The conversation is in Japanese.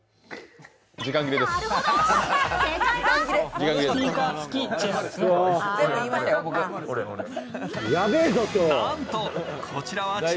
時間切れです。